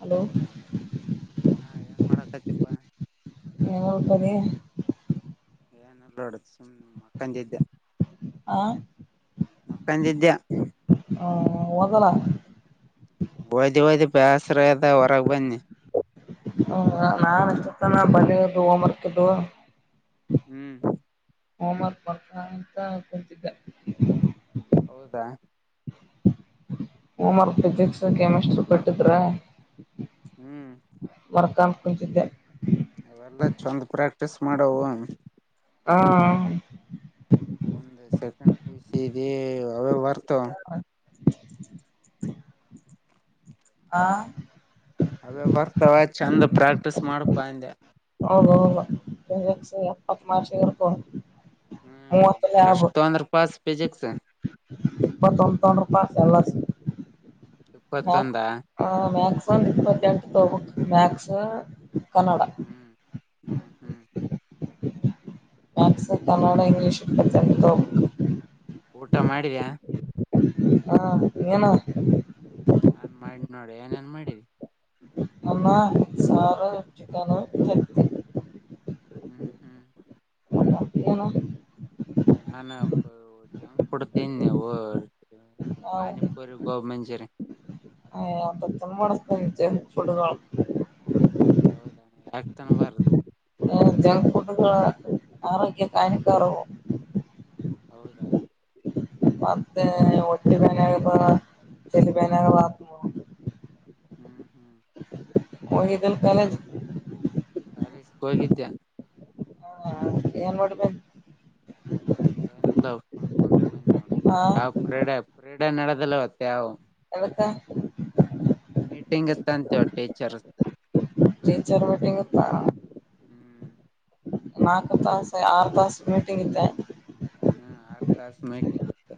Hello ಹಾ ಏನ್ ಮಾಡಕತಿಪಾ ಎಮಲ್ಕದಿ ಏನ ಬಡ ಸುಮ್ ಮಕ್ಕಂದ ತಂದಿದ್ಯ ಆ ಮಕೊಂಡಿದ್ಯ ಹ್ಮ ಒದಲ ಬೋದಿ ಬೋದಿ ಬ್ಯಾಸರ ಆಗ್ಯದ ಹೊರಗೆ ಬದ್ನಿ ಹ ನಾನ್ ಬಂದಿ ಹೊಡದು ಹೋಮ್ ವರ್ಕ್ ಇದ್ದುವ ಹ್ಮ್ ಹೋಮ ವರ್ಕ್ ಬರ್ತಾ ಅಂತ ಬಂದಿದ್ಯ ಹೌದಾ ಹೋಮ್ ವರ್ಕ್ ಫಿಸಿಕ್ಸ್, ಕೆಮಿಸ್ಟ್ರಿ ಕೊಟ್ಟಿದ್ರ ಹುಂ ಮರ್ಕಾ ಕುಂಚಿದ್ದ್ಯಾ ಅವೆಲ್ಲಾ ಚಂದ್ ಪ್ರಾಕ್ಟೀಸ್ ಮಾಡವೋ ಹಾ ಹುಂ [unintelligible] ಪಿಸಿಇ ಅವೇ ಬರ್ತಾವ್ ಹಾ ಅದ ಬರ್ತಾವ ಚೆಂದ ಪ್ರಾಕ್ಟೀಸ್ ಮಾಡಪ್ಪ ಅಂದ್ಯಾ ಹೌದು ಹೌದ ಫಿಜಿಕ್ಸ ಎಪತ್ತ್ ಮಾರ್ಸಿನು ಇರ್ತಾವ್ ಹ್ಮ ಎಷ್ಟ ತೋಂದ್ರ ಪಾಸ್ ಪೀಜಿಕ್ಸ ಇಪ್ಪತೋಂದ ತಗೊಂಡ್ರ ಪಾಸ್ ಸ್ ಇಪ್ಪತ್ತೊಂದಾ ಆ ಮ್ಯಾತ್ಸ ಇಪ್ಪತ್ತೆಂಟು ತಗೋಬೇಕು ಮ್ಯಾತ್ಸ ಕನ್ನಡಾ ಹ್ಮು ಹ್ಮು ಹ್ಮು ಮಾತ್ಸ ಕನ್ನಡ ಇಂಗ್ಲೀಷ್ ಇಪ್ಪತೆಂಟ್ ತಗೋಬೇಕ. ಊಟಾ ಮಾಡಿದ್ಯಾ ಹಾ ಏನ್ ನಾನ್ ಮಾಡಿ ನೋಡ ಏನೇನ್ ಮಾಡಿ ಅನ್ನಾ ಸಾರಾ ಚಿಕಾನಾ ತತ್ತಿ ಹ್ಮು ಹ್ಮು ಹಾ ನಾನ ಜಂಕ್ ಕೊಡ್ತೇನಿ [unintelligible] ನಾವು [unintelligible] ಗವರ್ಮೆಂಟ್ ಸರಿ [unintelligible] ಹಾಕ್ ಕಲಂದರ್ ಜಂಕ್ ಫುಡ್ ಗಳು ಆರೋಗ್ಯಕ ಹಾಕಾನಿಕಾರ ಹೌದಾ ಮತ್ತೆ ಒಟ್ಟಿ ಬನಾಗ ಚಲಿ ಬನಾಗ ಹ್ಮು ಹ್ಮು ಹೋಗಿದ್ದಿಲ ಕಾಲೇಜಗಿ ಕಾಲೇಜಿಗೆ ಹೋಗಿದ್ದೆ ಏನ್ ಮಾಡ [unintelligible] ಏನಿಲ್ಲಾ ಸುಮ ಕುಂತ ಬಂದಿ ನೋಡು ಹಾ ಯಾವ್ ಪಿರ್ಡ ಪಿರಿಯಡ್ ನಡದಿಲ್ಲತ್ತ ಇವತ್ ಯದಕ್ಕ ಮೀಟಿಂಗ್ ಇತ್ತಂತ ಟೀಚರ್ ದು ಟೀಚರ್ ಮೀಟಿಂಗ್ ಇತ್ತಲಾ- ಹ್ಮ್ ನಾಲ್ಕು ತಾಸ ಆರ ತಾಸ ಮೀಟಿಂಗ್ ಇತ್ತ ಹಾ ಆರ್ ತಾಸ ಮಿಂಟಿಂಗ ಇತ್ತ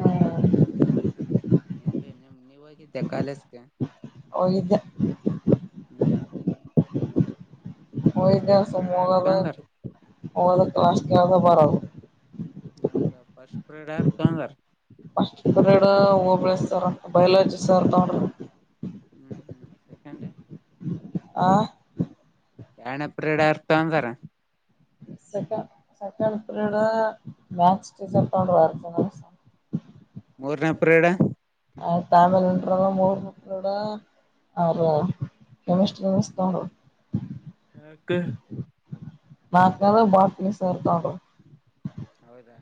ಹ್ಮ್ ನಿಂಬೆ ನಿಮ ನೀವಾಗಿದ್ದ್ಯಾ ಕಾಲೆಜ್ ಗೆ ಹೋಗಿದ್ದೆ ಹ್ಮ್ಂ ಹೋಗಿದ್ದೆ ಫಸ್ಟ್ ಸುಮ್ ಪಿರಿಯಡ್ ಯಾರ್ ತೊಂದಾರ ಹೋಗೋದು ಕ್ಲಾಸ್ ಕೆೇಳೊದು ಬರೋದು ಹೌದಾ ಫಸ್ಟ್ ಪ್ರ್ರೀಡ್ ಯಾರ ತೊಂಗಾರ ಗಡೇ ಹೋಗ ಹೋಬಳಸರ್ ಬಯಾಲಜಿ ಸರ್ ತೋಡ್ರಿ ಹ್ಞೂ ಹ್ಞ ಸೆಕೆಂಡೆ. ಹಾ ಯಾರ್ಡ್ನೆ ಪಿರಡ ಯಾರ್ ತಾಂದರ. ಸೆಕ ಸೆಕೆಂಡ್ ಪಿರಿಡ್ ಮ್ಯಾಥ್ಸ್ ಟೀಚರ್ ತೋಂಡರ [unintelligible] ಮೂರನೇ ಪಿರಿಡ. ಅ [unintelligible] ಮೂರನೆ ಪಿರಡೂ. ಅವ್ರ ಕೆಮಿಸ್ಟ್ರಿ ಮಿಸ್ ತೋಂಡರು. ಯಾಕ ನಾಕ್ನೇದು ಭಾರತಿ ಮಿಸ್ ಅವ್ರು ತೋಂಡರ. ಹೌದಾ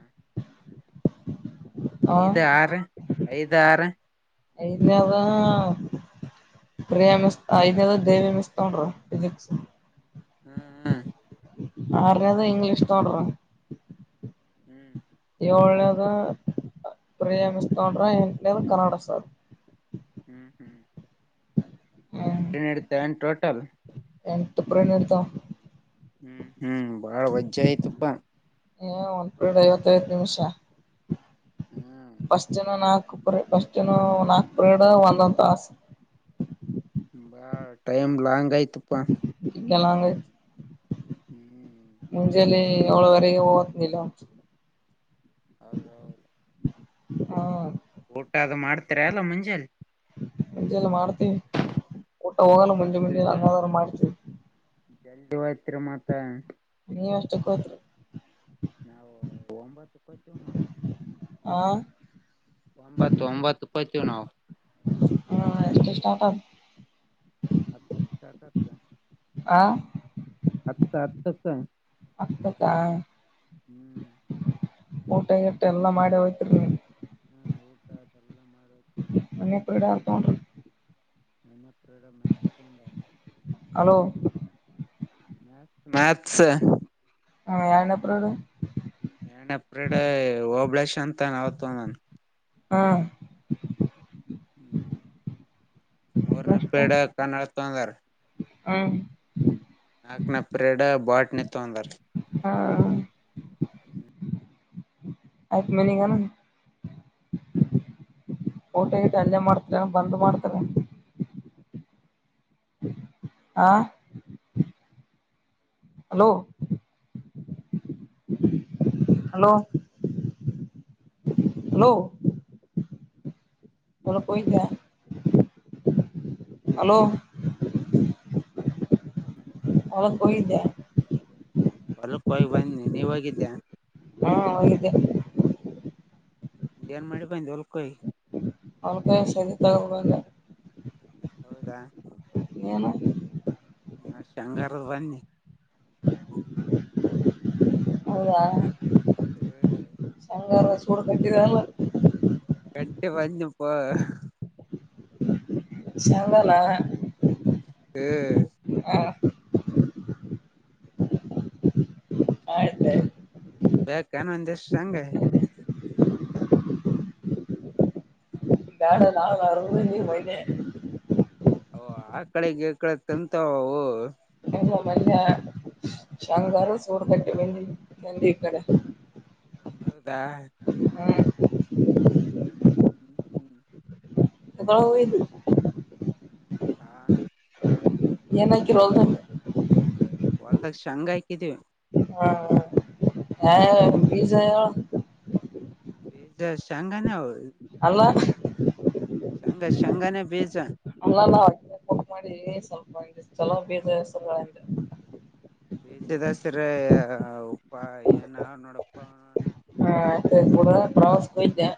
ಆ ಐದು ಆರು ಐದು ಆರು. ಐದ್ನೇದೂ ಪ್ರಿಯಾ ಮಿಸ್ ಐದ್ನೇದು ದೇವಿ ಮಿಸ್ ತಗೊಂಡ್ರ ಫಜಿಕ್ಸ್. ಹ್ಮ ಹಾ ಅರನೇದು ಇಂಗ್ಲೀಷ್ ತೋಂಡರ. ಹ್ಞೂ ಯೋಳನೇದು ಪ್ರಿಯಮಿಸ್ತೋಂಡ್ರ ಎಂಟನೇದು ಕನ್ನಡ ಸರ್. ಹ್ಮ್ ಹ್ಮ್ ಹ್ಮ್ ಎಂಟನಡ್ತೆವೆನು ಟೋಟಲ್. ಎಂಟು ಪಿರಿಡ್ ನಡ್ತೆವ. ಹ್ಮ್ ಹ್ಮ್ ಬಾಳ ವಜ್ಜೆ ಆಯ್ತಪ್ಪಾ. ಏ ಒನ್ಪರಡು ಐವತ್ತೈವತ್ತ್ ನಿಮಿಷ. ಹ್ಮ್ ಫಸ್ಟಿನವು ನಾಕು ಪರ ಫಸ್ಟಿನವು ನಾಕು ಪಿರಡೂ ಒಂದೊಂದ್ ತಾಸು. ಬಾಳ್ ಟೈಮ್ ಲಾಂಗ್ ಆಯ್ತಪ್ಪಾ. ಬಗ್ಗೆ ಲಾಂಗ್ ಆಯ್ತು. ಹ್ಮ್ ಮುಂಜೆಲ್ಲಿ ಏಳವರೆಗೆ ಓತ್ನಿಲ್ಲಿ. ಹೌದೌದು. ಹಾ ಊಟ ಅದು ಮಾಡ್ತರ್ಯ ಇಲ್ಲ ಮುಂಜಲಿ. ಮಂಜೆಲ್ಲಿ ಮಾಡ್ತಿವಿ ಊಟ ಹೋಗಲ್ಲ ಎಲ್ಲ ಮಂಜೆ ಅಷ್ಟು ಮಂಜೆನಿ ಹಂಗಾದ್ರು ಮಾಡ್ತೀವಿ. ಜಲ್ದಿ ವಯತ್ರಿ ಮತ್ತಾ. ನೀ ಎಷ್ಟುಕೋತ್ರಿ. ನಾವು ಒಂಬತ್ತುಕ್ಕ ಓತೀವಿ ನೋಡು. ಆ ಒಂಬತ್ತು ಒಂಬತ್ತುಕೋಯ್ತೀವಿ ನಾವು. ಹಾ ಎಷ್ಟುಷ್ಟ ಆತದ. ಹತ್ತುಕ್ಷಾಟ್ ಆತ್ದ ಆ ಹತ್ತು ಹತ್ತುಕ್ಕ. ಅಂತಕಾ ಹ್ಮ್ ಊಟ ಗೀಟ್ಟ ಎಲ್ಲ ಮಾಡಿ ಓಯ್ತಿರಿ. ಹ್ಮ ಊಟ ಅದೆಲ್ಲ ಮಾಡೋತಿವಿ. ಮನ್ನೆ ಪಿರಡ ಯಾರ್ ತೋಂಡ್ರು. ಮನ್ನೆ ಪಿರಡ ಮ್ಯಾಥ್ಸ್ ತೋಂದಳ. Hello maths maths. ಹಾ ಯಾರ್ಡನೆ ಪಿರಡು. ಏನಪ್ರಡ ಹಓಬಳೇಶ್ ಅಂತನ್ ಅವತ ನಾನನ್. ಹಾಂ ಹ್ಮ್ ಮೂರನ ಪೇಡ ಕನ್ನಡ ತಂದಾರ ಹಾ ಆಕ್ನ ಪ್ರ್ರೀಡ ಬಾಟ್ ನಿ ತೊಂದರು. ಹಾ ಆತ್ ಮಿನಿಗಾನ. ಊಟ ಗಿಟಾ ಅಲ್ಲೆ ಮಾಡ್ತಾರೆ ಬಂದ್ ಮಾಡ್ತಾರೆ. ಹಾ. Hello hello..... hello. ಹೊಲಕ್ಕ ಹೋಗಿದ್ದ. ಹಲೋ ಒಳಕ್ಕಿದೆ ಹೋಗಿದ್ಯಾ. ಹೊಲ್ಲಕ್ ಹೋಗಿ ಬನ್ನಿ ನೀವ ಹೋಗಿದ್ದ್ಯಾ. ಹಾ ಹೋಗಿದ್ಯಾ. ಏನ್ ಮಾಡಿ ಬಂದಿದ ಹೊಲಕ್ಕ ಹೋಗಿ. ಅವಸೊಂದಿ ತಗದಬಂದ್ಯಾ. ಹೌದಾ. ಏನು. ನಾ ಶಂಂಗಾರದ ಬನ್ನಿ. ಹೌದ. ಹ್ಮ್ ಶೇಂಗಾ ಹರದ್ ಶೋಡ್ ಕಟ್ಟಿದಲ್ಲ. ಕಟ್ಟಿ ಬಂದಪ ಹಾ... ಶಂಗಾನ. ಹ್ಮ್ ಆಯ್ತಾಯ್ತು ಬೇಕನ್ ಒಂದಿಷ್ಟು ಶೇಂಗ. ಬೇಡ ನಾರ ನೀ ಮ. ಓ ಆ ಕಡೆಗೆ ಈಕಡೆ ತಿಂತಾವವು. ಎ ಮಲ್ಲ ಶಂಕರ್ ಸೂರ್ಕಟ್ಟೆ ಬಿಂಡಿ ಈ ಕಡೆ. ಹೌದ. ಹ್ಮ್..... ಹ ಹ ಅ ಇದು [unintelligible] ಆ.. ಏನ ಹಾಕಿರಿ ಹೊಲದಾಗ. ಹೊಲ್ದಾಗ ಶಂಗ್ ಹಾಕಿದೀವಿ ಹಾ ಯ ಬೀಸ ಹಾರ [unintelligible] ಬೀಜ್ ಶಂಗನ ಅವ್ ಅಲ್ಲ ಸಂಗ ಶಂಗನೆ ಬೀಜಾ. ಅಲ್ಲಲ್ಲ ಮಾಡಿ ಸ್ವಲ್ಪ ಚಲೋ ಬೀಜ. ಬೇಜ ದಾಸರ ಉಪ್ಪ ಏನ ನೋಡಪ್ಪಣ. ಹಾ ಆಯ್ತ ಪ್ರವಾಸಕಾ ಹೋಗಿದ್ಯಾ.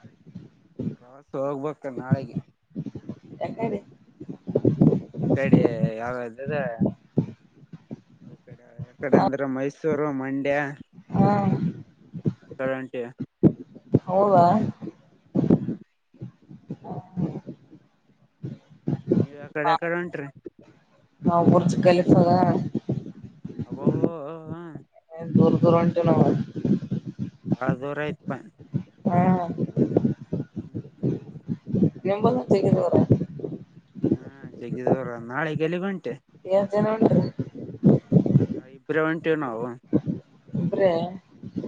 ಹಾ ಸ ಹೋಗ್ಬೇಕು ನಾಳಿಗಿ. ಎಕಡಿ ಈ ಕಡಿ ಯಾವ್ದಿದ. ಎಕಡೆ ಎಕಡೆ ಅಂದ್ರೆ ಮೈಸೂರು ಮಂಡ್ಯ. ಹಾ [unintelligible] ಹೌದಾ ಹ್ಮ್ ನೀವ್ ಎಕಡೆ ಎಕಡೆ ಹೊಂಟ್ರಿ. ನಾವ್ ಬುರ್ಜ ಕಲಿತದ. ಅಬೋ ಬ ಬ ಬಾ. ದೂರ ದೂರಂಟಿವಿ ನಾವು. ಬಾಳ ದೂರ ಆಯ್ತ್ ಪ. ಹಾ ಹ್ಮ್ ಹ್ಮ್ [unintelligible] ಹಾ ಜಗ್ಗಿದೂರಾದ ನಾಳೆಗಿ ಎಲಿಗಿ ವಂಟಿ. ಏಸ್ ಜನ ವಂಟ್ರಿ. ಹಾ ಇಬ್ರೆ ಒಂಟಿವಿ ನಾವು. ಇಬ್ರೇ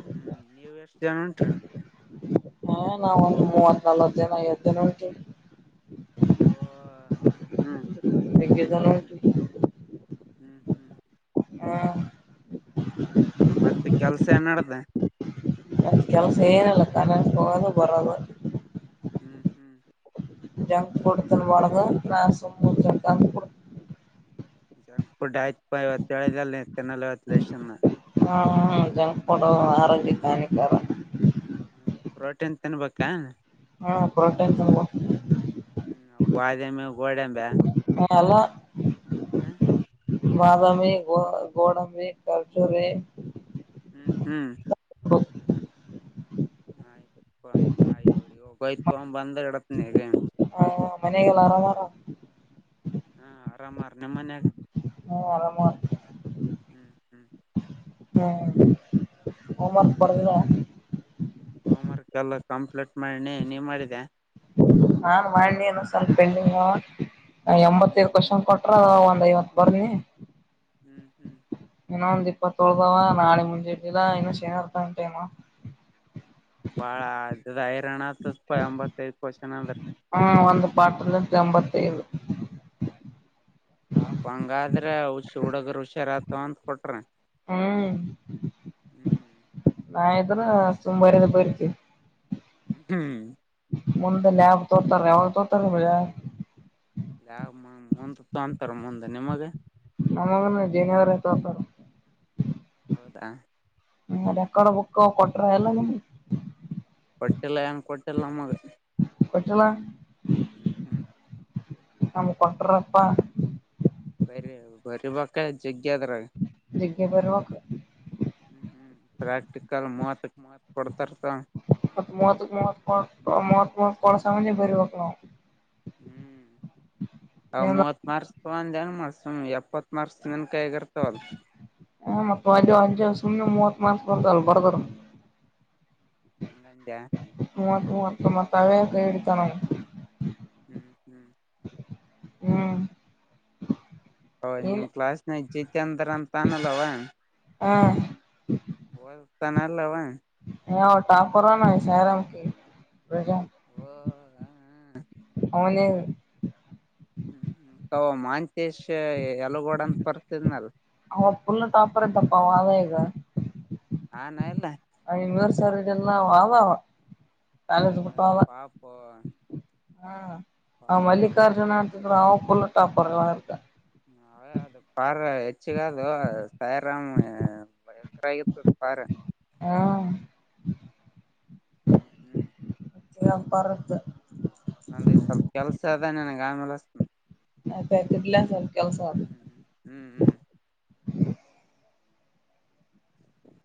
ಹ್ಮ್ ನೀವ್ ಎಷ್ಟು ಜನ ವಂಟ್ರಿ. ಹ ನಾವ ಒಂದು ಮೂವತ್ ನಲ್ವತ್ ಜನ ಐವತ್ತು ಜನ ವಂಟಿವಿ. ಓ ಹ್ಮ್ ಹ್ಮ್ ಜಗ್ಗೆಜನ ವಂಟಿವಿ. ಹ್ಞೂ ಹ್ಞೂ ಹಾ ಮತ್ತೆ ಕೆಲ್ಸ ಏನ್ ನಡ್ದ. ಕೆಲ್ಸ ಏನಿಲ್ಲ [unintelligible] ಬರೆದು. ಹ್ಮ್ ಹ್ಮ್ ಜಂಕ್ ಫುಡ್ ತಿನಬಾಡ್ದು ನಾನ್ ಸುಮ್ ಕುಂತಿನ [unintelligible] ಜಂಕ್ಫೂಡ್ ಆಯ್ತ್ ಪ ಇವತ್ತ್ ಹೇಳಿದೆಲ ನೀ ತಿನಲ್ಲ ಇವತ್ತಲೇಶಿಂದ ನಾ. ಹ್ಮಾ ಜಂಕ್ ಫುಡ್ ಆರೋಗ್ಯಕ ಹಾನಿಕಾರ. ಹ್ಮ್ ಪ್ರೋಟೀನ್ ತಿನ್ಬಕಾ. ಹಾ ಪ್ರೋಟೀನ್ ತಿನಬಕು. ಹ್ಮ್ ಅವು ಬಾದಾಮಿ ಗೋಡೆಂಬ್ಯಾ. ಹ ಅಲ್ಲ. ಹ್ಮ ಬಾದಾಮಿ ಗೋ ಗೋಡಂಬಿ ಕರ್ಚೋರಿ. ಹ್ಮ್ ಹ್ಮ್ ಹ ನಾಯ್ ಪ ನಾ ಇವಗೋಯ್ತು ಪೈಪ್ ತೋಂಬಂದ ಇಡತ್ನೀಗ. ಹ ಮನೆಗೆಲ್ಲ ಆರಾಮ್ ಆರಲ. ಹಾ ಆರಾಮಾರ ನಿಮ್ಮನ್ಯಾಗ ಹ್ಮ ಆರಾಮ ಹ್ಮ್ ಹ್ಮ್. ಹಾ ಹೋಮ್ವರ್ಕ್ ಬರದ್ರ್ಯಾ. ಹೋಮ್ ವರ್ಕ್ ಎಲ್ಲ ಕಂಪ್ಲೀಟ್ ಮಾಡ್ನೀ ನೀ ಮಾಡಿದ್ಯಾ. ಹಾನ್ ಮಾಡಿ ಸ್ವಲ್ಪಿಂಗ ಹ್ಮ್ ಎಂಬತ್ತೈ ಹ್ಮ್ ವರ್ಷನ್ ಕೊ ಅ ಒಂದ್ ಐವತ್ತು ಬರ್ನಿ ಹ್ಮ್ ಹ್ಮ್ ಇನ್ನೊ ಒಂದ್ ಇಪ್ಪತ್ತೊ ಉಳದಾವ ನಾಳೆ ಮುಂೆ ಇರ್ಲಿಲ್ಲಾ ಇನ್ನ ಏನರ್ತ ಉಂಟೇನೋ ಬಾಳ ಅದ ಹೈರಾಣ ಆತದ ಹತ್ತ್ ಎಂಬತ್ತೈಐದ ಕ್ವಶನ ಅಂದ್ರ ಹ್ಮ ಒಂದು ಪಾತ್ರಲಿಂತ ಎಂಬತ್ತ ಏದು ಶಾಪ್ ಹಂಗಾದ್ರ ಹುಷಿ ಹುಡುಗ್ರ ಹುಷಾರ ಆತವ ಅಂತ ಕೊಟ್ರ ಹ್ಮ್ ಹ್ಮ್ ನಾ ಇದ್ರ ಸುಮ ಬರೆದೆ ಬರ್ತೀವಿ ಹ್ಮ್ ಮುಂದ ಲ್ಯಾ ಬ್ ತೋರ್ತಾರ ಯಾವಾಗ ತೋರ್ತಾರ ಯ ಮುಂದ ತ ಅಂತಾರ ಮುಂದ ನಿಮಗ ಒಮ ಒಮ್ಮೆ ಜನಿವಾರ ತಿತಾರ್ ಹೌದಾ ಹ ಅ ಎಕಡೆ ಬುಕ್ಕ ಕೊಟ್ರ ಎಲ್ಲ ನಿಗೆ ಕೊಟ್ಟಿಲ್ಲ ಯಾನ ಕೊಟ್ಟಿಲ್ಲ ನಮಗ ಕೊಟಿಲ್ಲ ಹ್ಞೂ ಹ್ಞೂ ನಮ್ ಕೊಟ್ರಪ್ಪಾ ಬರಿ ಬರಿಬೇಕ ಜೋಗ್ಗ ಆದಾ ಅದ್ರಾಗ್ ಜಾಗಿ ಬರಿಬೇಕ್ ಹ್ಮ್ ಹ್ಮ್ ಪ್ರಾಕ್ಟಿಕಲ್ ಮುವತ್ ಕ ಮುವಾತ ಕೂಡತಾರ್ ತಗೊ ಮತ್ತ ಮೂವತ್ ಮವತ್ ಮೂತ್ ಮುವತಾ ಕೊಡ ಸಂಬಂದೇ ಬರಬೇಕ್ ನಾವು ಹ್ಮ್ ಅವು ಮುವತಾ ಮರ್ಸ್ತ ತೊಂದ್ಯ ಏನ ಮತ ಎಪ್ಪತ್ ಮರ್ಸನ್ ಕೈದಾಗಾ ಇರ್ತಾವ ಅಲ್ಲ ಹ ಮತ್ತ ಅಜ ಅಜ ಸುಮ್ನೆ ಮೂವತ್ ಮಾನ್ಸ ಬರ್ದಲ್ ಬರ್ದ್ರ ಹಂಗ ಅಂತ್ಯಾ ಮೂವತ್ತು ಮೂವತ್ತ ಮಾತ ಅವ್ವೆ ಕೈ ಗಿಡಿತಾವ ನಮ್ಗೆ ಹ್ಮ್ಮ್ ಹ್ಮ್ಮ್ ಹ್ಮ ಹೌದ್ ನಿಮ್ ಕ್ಲಾಸ್ ನೈಟ್ ಜಿತೆಂದ್ರ ಅಂತ ಅನಅಲ್ಲವಾ ಹಾ ಹೊದುಸ್ತನಲ್ಲವ್ವ ಯೆ ಅವ್ವ ಟಾಪರ್ ಹನ್ನ ಶಾಹಿರಾಮ್ ಕಿ ಬೆಳಗಾವಿ ಓ ಹೌದಾ ಮನೆ ಹ್ಮ್ ಅವ ಮಾಂತೇಶ್ ಯಲಗೋಡ ಅಂತ ಬರ್ತಿದ್ನಲ್ ಅವ ಪುಲ ಟಾಪರ್ ತಪ್ಪ ಅವ ಈಗ ಹಾನಾ ಇಲ್ಲ ಆ ಯುನಿವರಲ್ ಆವಾ ಹ ಪಾಪೋ ಹಾ ಅವ ಮಲ್ಲಿಕಾರ್ಜುನ್ರ ಅವ ಫುಲ್ಲ ಟಾಪರಲ್ಲತ ಹ್ಮ್ ಅದೆ ಅದೆ ಪಾರ್ ಹೆಚ್ಚಗ ಅದು ಸಾಯರಾಮ್ [inaudible] ಗಿತ್ತು ಪಾರ್ ಹಾ. ಹುಂ ಎಂ ಫಾರ್ಮದ್ ನಂದ ಸ್ವಲ್ಪ ಕೆಲ್ಸ ಅದ ನಿನಗ ಆಮೇಲೆ ಹಸ್ತನ ಆ ಅಪ್ಯಾ ಇಡಲ್ಲಾ ಕೆಲ್ಸ ಅದ್ ಹೂಂ ಹುಂ ಹುಂ [unintelligible]